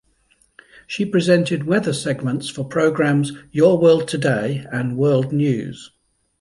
She presented weather segments for the programs "Your World Today" and "World News".